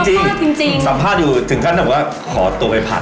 ใช่สัมภาษณ์อยู่ถึงขั้นแล้วก็ขอตัวไปผัด